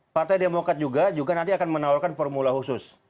partai demokrat juga nanti akan menawarkan formula khusus